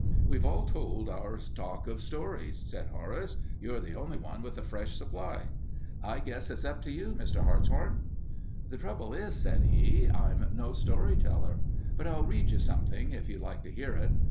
"We've all told our stock of stories," said Horace. "You're the only one with a fresh supply. I guess it's up to you, Mr. Hartshorn." "The trouble is," said he, "I'm no story teller, but I'll read you something, if you'd like to hear it.